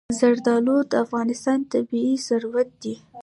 زردالو د افغانستان طبعي ثروت دی.